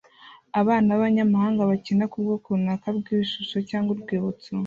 Abana b'abanyamahanga bakina ku bwoko runaka bw'ishusho cyangwa urwibutso